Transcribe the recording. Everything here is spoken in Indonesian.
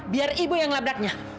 biar ibu yang labraknya